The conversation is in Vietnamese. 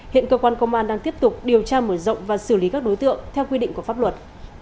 hiện cơ quan công an đang tiếp tục điều tra mở rộng và xử lý các đối tượng theo quy định của pháp luật